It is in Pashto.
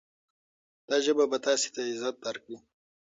دا ژبه به تاسې ته عزت درکړي.